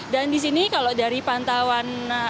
dan di sini kalau dari pantauan